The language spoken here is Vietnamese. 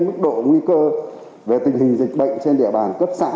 mức độ nguy cơ về tình hình dịch bệnh trên địa bàn cấp xã